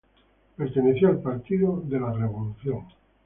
Perteneció al Partido de la Revolución.